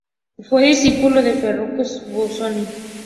Fue discípulo de Ferruccio Busoni.